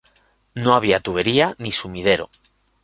No había tubería ni sumidero.